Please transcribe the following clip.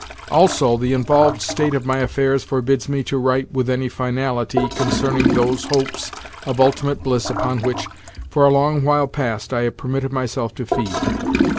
Also, the involved state of my affairs forbids me to write with any finality concerning those hopes of ultimate bliss upon which, for a long while past, I have permitted myself to feed.